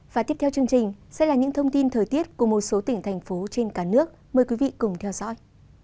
và tiếp theo chương trình sẽ là những thông tin thời tiết của một số tỉnh thành phố trên cả nước mời quý vị cùng theo dõi